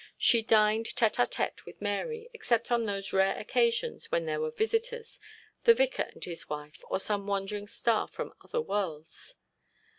She dined tête à tête with Mary, except on those rare occasions when there were visitors the Vicar and his wife, or some wandering star from other worlds.